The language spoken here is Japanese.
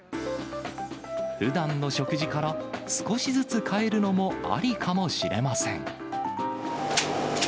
ふだんの食事から少しずつ変えるのもありかもしれません。